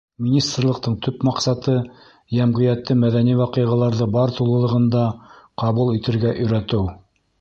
Министрлыҡтың төп маҡсаты — йәмғиәтте мәҙәни ваҡиғаларҙы бар тулылығында ҡабул итергә өйрәтеү.